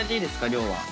量は。